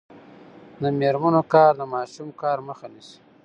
د میرمنو کار د ماشوم کار مخه نیسي.